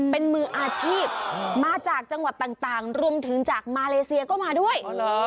เป็นมืออาชีพมาจากจังหวัดต่างรวมถึงจากมาเลเซียก็มาด้วย